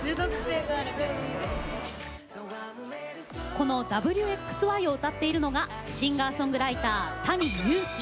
この「Ｗ／Ｘ／Ｙ」を歌っているのがシンガーソングライターＴａｎｉＹｕｕｋｉ。